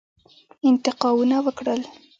انتقاونه وکړل.